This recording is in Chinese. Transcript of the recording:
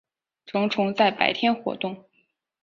成虫在白天活动。